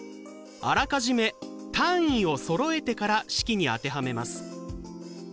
あらかじめ単位をそろえてから式に当てはめます。